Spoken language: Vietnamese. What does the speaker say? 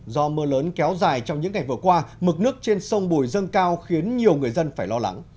do mưa lớn kéo dài trong những ngày vừa qua mực nước trên sông bùi dâng cao khiến nhiều người dân phải lo lắng